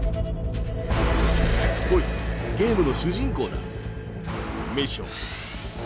ほいゲームの主人公だ。